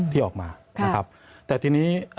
ที่ออกมาแต่ทีนี้